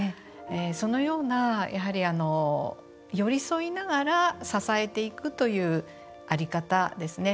そのような寄り添いながら支えていくという在り方ですね。